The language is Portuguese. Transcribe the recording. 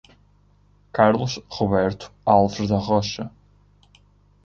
Carlos Roberto Alves da Rocha